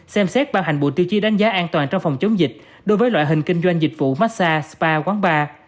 xem xét ban hành bộ tiêu chí đánh giá an toàn trong phòng chống dịch đối với loại hình kinh doanh dịch vụ massag spa quán bar